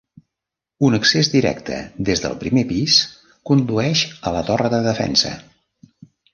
Un accés directe des del primer pis condueix a la torre de defensa.